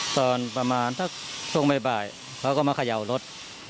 ตอนประมาณสักช่วงบ่ายเขาก็มาเขย่ารถ